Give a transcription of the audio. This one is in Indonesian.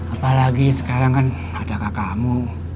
apalagi sekarang kan ada kak kamu